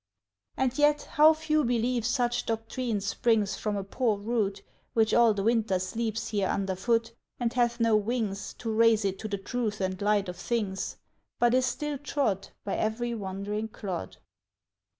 _ And yet, how few believe such doctrine springs From a poor root Which all the winter sleeps here under foot, And hath no wings To raise it to the truth and light of things, But is still trod By every wandering clod!